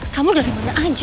kamu dari mana aja